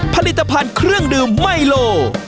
ผลิตภัณฑ์เครื่องดื่มไมโล